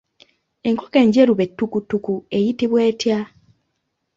Enkoko enjeru be ttukuttuku eyitibwa etya?